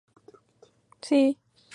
El episodio fue escrito por Steven Moffat.